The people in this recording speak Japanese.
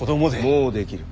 もうできる。